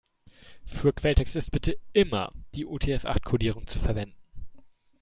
Für Quelltext ist bitte immer die UTF-acht-Kodierung zu verwenden.